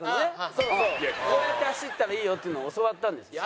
こうやって走ったらいいよっていうのを教わったんです。